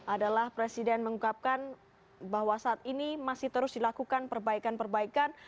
adalah presiden mengungkapkan bahwa saat ini masih terus dilakukan perbaikan perbaikan